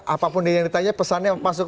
apapun yang ditanya pesannya masuk